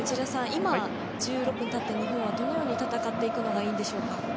今、１６分経って日本はどう戦っていくのがいいんでしょうか。